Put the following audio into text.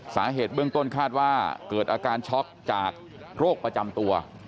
สาเหตุเบื้องต้นคาดว่าเกิดอาการช็อกจากโรคประจำตัว